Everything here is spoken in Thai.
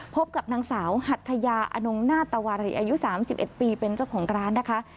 พบกับนางสาวหัทยาอนงนาตวารีอายุ๓๑ปีเป็นเจ้าของร้านนะคะ